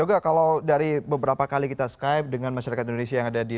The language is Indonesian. juga kalau dari beberapa kali kita skype dengan masyarakat indonesia yang ada di